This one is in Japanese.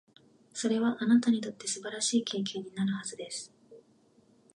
それは、あなたにとって素晴らしい経験になるはずです。